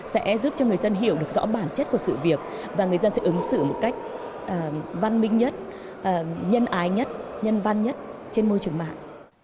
sẽ giúp cho người dân hiểu được rõ bản chất của sự việc và người dân sẽ ứng xử một cách văn minh nhất nhân ái nhất nhân văn nhất trên môi trường mạng